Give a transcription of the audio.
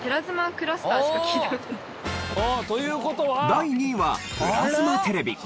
第２位はプラズマテレビ。